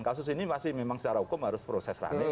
kasus ini pasti memang secara hukum harus proses runney